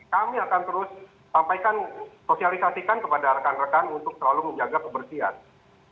kami akan terus sampaikan sosialisasikan kepada rekan rekan untuk selalu menjaga kebersihan